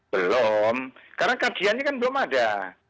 belum karena kajiannya kan belum ada